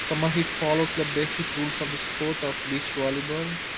"Summer Heat" follows the basic rules of the sport of beach volleyball.